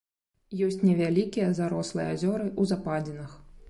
Ёсць невялікія зарослыя азёры ў западзінах.